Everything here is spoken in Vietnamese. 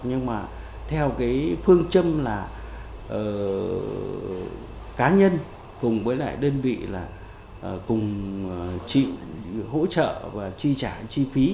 nhưng mà theo cái phương châm là cá nhân cùng với lại đơn vị là cùng hỗ trợ và chi trả chi phí